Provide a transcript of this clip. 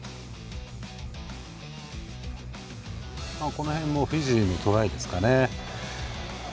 この辺、フィジーのトライですかね。